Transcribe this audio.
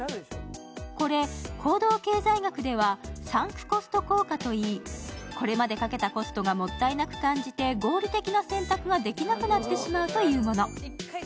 これ、行動経済学ではサンクコスト効果と言いこれまでかけたコストがもったいなく感じて、合理的な選択ができなくなってしまうというもの。